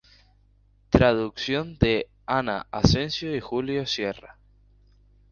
Traducción de Ana Asensio y Julio Sierra.